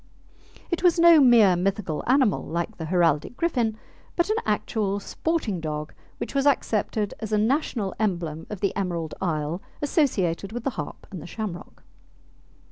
It was no mere mythical animal like the heraldic griffin, but an actual sporting dog which was accepted as a national emblem of the Emerald Isle, associated with the harp and the shamrock.